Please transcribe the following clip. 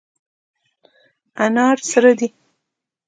انار سره دي.